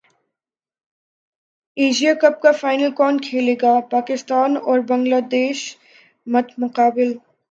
Asia cup کا final کون کھیلے گا پاکستان اور بنگلہ دیش مدمقابل